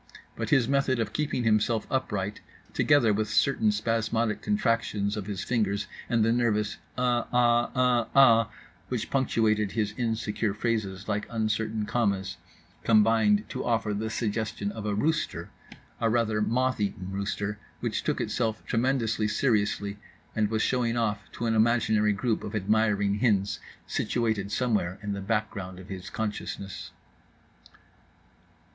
But his method of keeping himself upright, together with certain spasmodic contractions of his fingers and the nervous "uh ah, uh ah" which punctuated his insecure phrases like uncertain commas, combined to offer the suggestion of a rooster; a rather moth eaten rooster, which took itself tremendously seriously and was showing off to an imaginary group of admiring hens situated somewhere in the background of his consciousness.